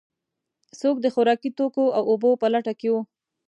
څوک د خوراکي توکو او اوبو په لټه کې و.